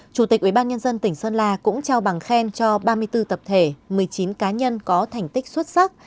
chủ tịch ubnd tỉnh sơn la cũng trao bằng khen cho ba mươi bốn tập thể một mươi chín cá nhân có thành tích xuất sắc